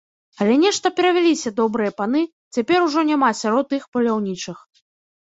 Але нешта перавяліся добрыя паны, цяпер ужо няма сярод іх паляўнічых.